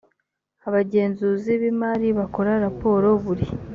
abagenzuzi b imari bakora raporo buri